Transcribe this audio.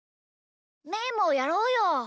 みーもやろうよ。